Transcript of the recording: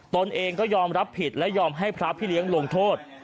ตนเองก็ยอมรับผิดและยอมให้พระพี่เลี้ยงลงโทษ